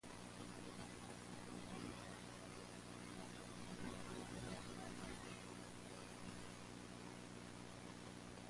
To protect bystanders, the welding area is often surrounded with translucent welding curtains.